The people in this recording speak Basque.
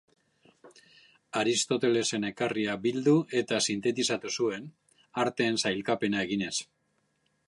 Aristotelesen ekarria bildu eta sintetizatu zuen, arteen sailkapena eginez.